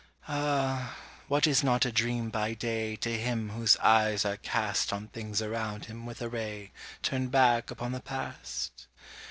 Ah! what is not a dream by day To him whose eyes are cast On things around him with a ray Turned back upon the past?